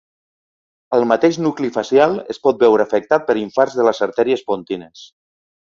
El mateix nucli facial es pot veure afectat per infarts de les artèries pontines.